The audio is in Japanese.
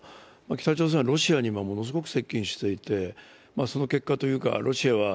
北朝鮮は今、ロシアにものすごく接近していて、その結果というか、ロシアは。